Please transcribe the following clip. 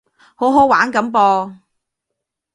好好玩噉噃